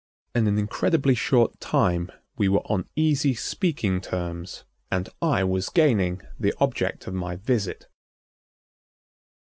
In an incredibly short time we were on easy speaking terms and I was gaining the object of my visit.